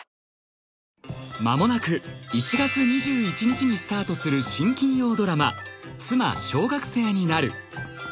まもなく１月２１日にスタートする新金曜ドラマ「妻、小学生になる。」